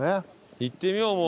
行ってみようもう。